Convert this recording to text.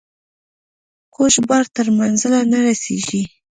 کوږ بار تر منزله نه رسیږي.